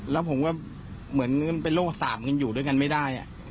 แล้วผมก็เหมือนเป็นโรคสาบกันอยู่ด้วยกันไม่ได้